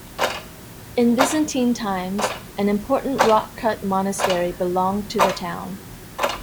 In Byzantine times, an important rock-cut monastery belonged to the town.